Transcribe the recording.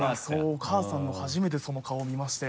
お母さんの初めてその顔を見まして。